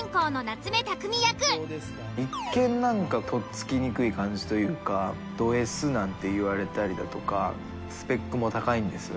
演じる一見何かとっつきにくい感じというかドＳなんて言われたりだとかスペックも高いんですよね。